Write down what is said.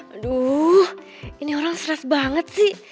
aduh ini orang stres banget sih